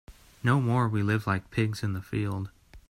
No more we live like pigs in the field.